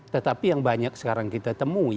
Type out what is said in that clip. tetapi yang banyak sekarang kita temui